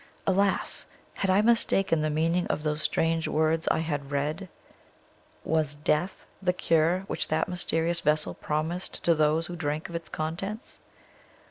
Alas! had I mistaken the meaning of those strange words I had read? was death the cure which that mysterious vessel promised to those who drank of its contents?